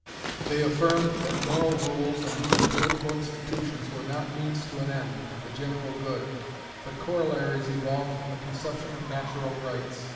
They affirmed that moral rules, and even political institutions, were not means to an end, the general good, but corollaries evolved from the conception of Natural Rights.